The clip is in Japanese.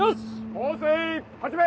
放水始め！